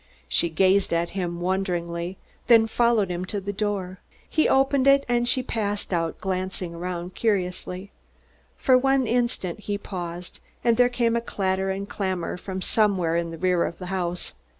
She gazed at him wonderingly, then followed him to the door. He opened it and she passed out, glancing around curiously. For one instant he paused, and there came a clatter and clamor from somewhere in the rear of the house.